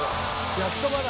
焼きそばだ。